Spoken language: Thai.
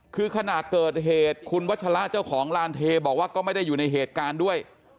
คือขณะเกิดเหตุคุณวัชละเจ้าของลานเทบอกว่าก็ไม่ได้อยู่ในเหตุการณ์ด้วย